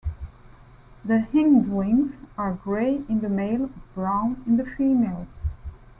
The hindwings are grey in the male, brown in the female.